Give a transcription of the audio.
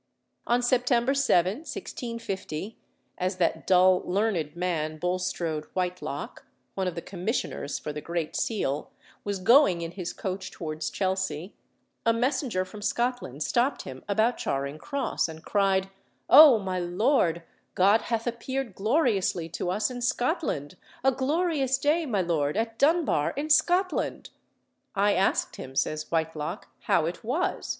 On September 7, 1650, as that dull, learned man, Bulstrode Whitelock, one of the Commissioners for the Great Seal, was going in his coach towards Chelsea, a messenger from Scotland stopped him about Charing Cross, and cried, "Oh, my lord, God hath appeared gloriously to us in Scotland; a glorious day, my lord, at Dunbar in Scotland." "I asked him," says Whitelock, "how it was.